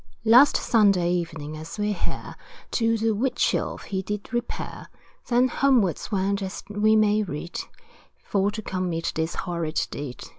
Last Sunday evening, as we hear, To the Wheatsheaf he did repair, Then homewards went, as we may read, For to commit this horrid deed.